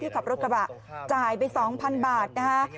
ขับรถกระบะจ่ายไป๒๐๐๐บาทนะคะ